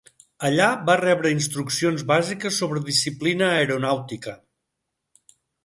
Allà va rebre instruccions bàsiques sobre disciplina aeronàutica.